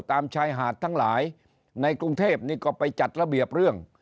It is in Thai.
ตามชายหาดทั้งหลายในกรุงเทพนี่ก็ไปจัดระเบียบเรื่อง